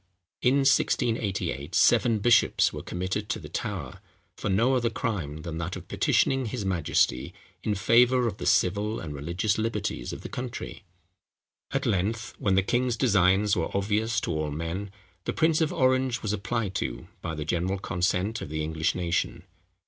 In 1688, seven bishops were committed to the Tower, for no other crime than that of petitioning his majesty in favour of the civil and religious liberties of the country. At length, when the king's designs were obvious to all men, the prince of Orange was applied to by the general consent of the English nation.